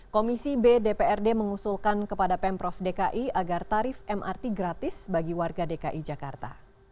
komisi b dprd mengusulkan kepada pemprov dki agar tarif mrt gratis bagi warga dki jakarta